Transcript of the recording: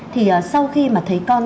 thì sau khi mà thấy con